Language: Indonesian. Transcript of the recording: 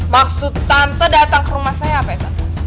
maksud tante datang ke rumah saya apa ya tante